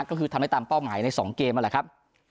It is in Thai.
ก็คือทำได้ตามเป้าหมายใน๒เกมนั่นแหละครับ